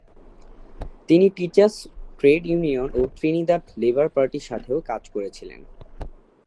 তিনি teachers trade union এবং Trinidad labour পার্টির সাথেও কাজ করেছিলেন।